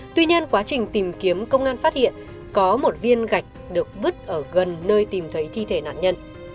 tuy nhiên quá trình tìm kiếm công an phát hiện có một viên gạch được vứt ở gần nơi tìm thấy thi thể nạn nhân